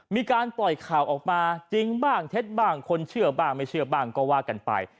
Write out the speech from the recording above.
มีการปล่อยข่าวออกมาจริงบ้างเท็จบ้างคนเชื่อบ้างไม่เชื่อบ้างก็ว่ากันไป